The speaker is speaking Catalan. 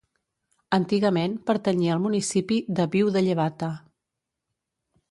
Antigament pertanyia al municipi de Viu de Llevata.